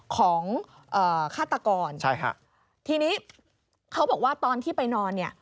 ของฆาตกรณ์ทีนี้เขาบอกว่าตอนที่ไปนอนนี่